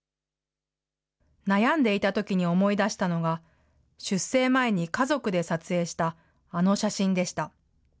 悩んでいたときに思い出したのが、出征前に家族で撮影したあの写真でした。